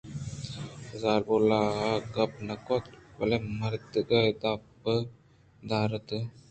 زالبول ءَ گپ نہ کُت بلئے مردک ءِ دپ ءَ دراتک